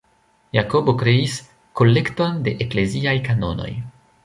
Jakobo kreis "kolekton de ekleziaj kanonoj".